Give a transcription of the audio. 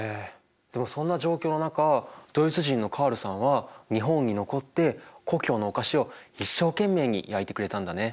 でもそんな状況の中ドイツ人のカールさんは日本に残って故郷のお菓子を一生懸命に焼いてくれたんだね。